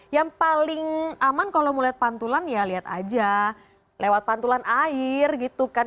yang paling aman kalau mau lihat pantulan ya lihat aja lewat pantulan air gitu kan